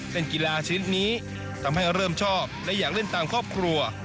เล่นกีฬาชนิดนี้ทำให้เริ่มชอบและอยากเล่นตามครอบครัว